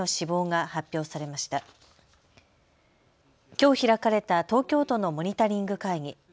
きょう開かれた東京都のモニタリング会議。